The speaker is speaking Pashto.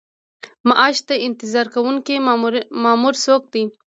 معاش ته انتظار کوونکی مامور څوک دی؟